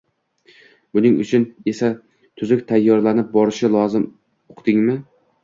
Buning uchun esa tuzuk tayyorlanib borishi lozim, uqdingmi